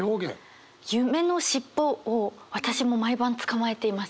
「夢のしっぽ」を私も毎晩つかまえています。